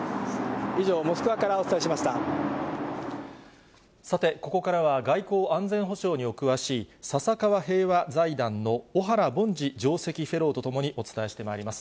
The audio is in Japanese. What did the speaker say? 以上、モスクワからお伝えしましさて、ここからは外交・安全保障にお詳しい、笹川平和財団の小原凡司上席フェローと共にお伝えしてまいります。